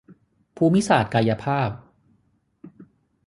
ภูมิศาสตร์กายภาพ